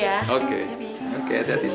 yaudah wih aku mau tidur